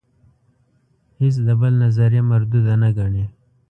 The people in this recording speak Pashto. هیڅ د بل نظریه مرودوده نه ګڼي.